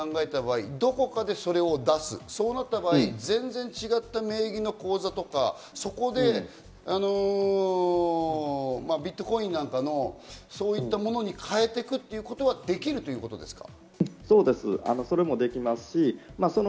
貯めているというふうに考えた場合、どこかでそれを出す、そうなった場合、全然違った名義の口座とか、そこでビットコインなんかの、そういったものに変えていくということはできるということですか？